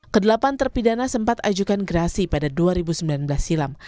kedelapan terpidana sempat ajukan gerasi pada dua ribu sembilan belas silam